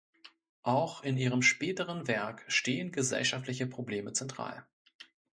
Auch in ihrem späteren Werk stehen gesellschaftliche Probleme zentral.